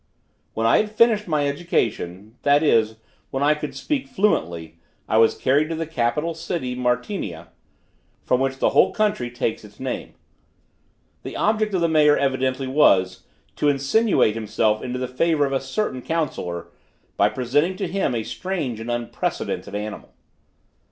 When I had finished my education, that is, when I could speak fluently, I was carried to the capital city Martinia, from which the whole country takes its name. The object of the mayor evidently was, to insinuate himself into the favor of a certain counsellor, by presenting to him a strange and unprecedented animal.